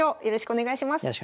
よろしくお願いします。